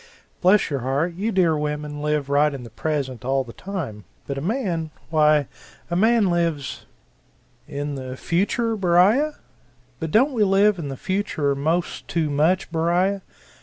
Bless your heart, you dear women live right in the present all the time but a man, why a man lives "In the future, Beriah? But don't we live in the future most too much, Beriah?